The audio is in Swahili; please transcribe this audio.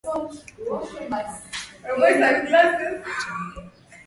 jamuhuri ya kidemokrasia ya Kongo ilifikia kiwango cha juu